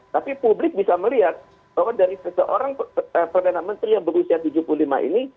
tapi publik bisa melihat bahwa dari seseorang perdana menteri yang berusia tujuh puluh lima ini